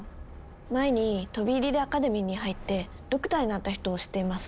前に飛び入りでアカデミーに入ってドクターになった人を知っています。